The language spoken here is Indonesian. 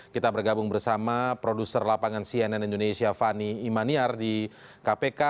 kita bergabung bersama produser lapangan cnn indonesia fani imaniar di kpk